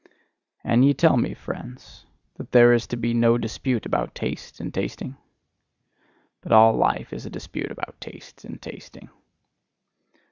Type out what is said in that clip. And ye tell me, friends, that there is to be no dispute about taste and tasting? But all life is a dispute about taste and tasting!